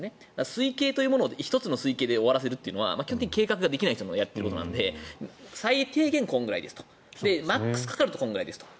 推定の場合に１つのパターンで終わらせるというのは基本的に計画ができない人がやってることなので最低限これくらいですマックスかかるとこれくらいです